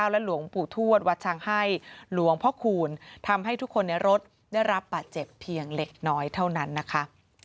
และหลวงปู่ทวดวัดชังให้หลวงพ่อคูณทำให้ทุกคนในรถได้รับบาดเจ็บเพียงเล็กน้อยเท่านั้นนะคะ